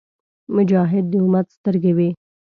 مجاهد د امت سترګې وي.